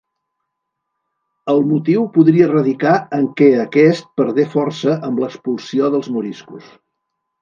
El motiu podria radicar en què aquest perdé força amb l'expulsió dels moriscos.